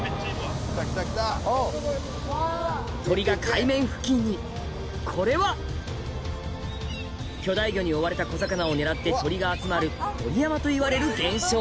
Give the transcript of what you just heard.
鳥が海面付近にこれは巨大魚に追われた小魚を狙って鳥が集まる鳥山といわれる現象